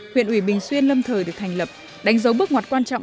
huyện ủy bình xuyên lâm thời được thành lập đánh dấu bước ngoặt quan trọng